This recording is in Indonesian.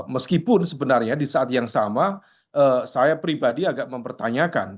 meskipun sebenarnya di saat yang sama saya pribadi agak mempertanyakan